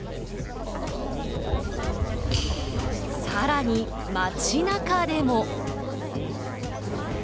さらに、町なかでも。